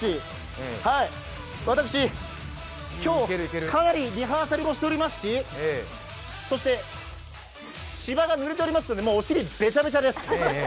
私、今日かなりリハーサルもしておりますし、そして芝が濡れておりますのでもうお尻べちゃべちゃです。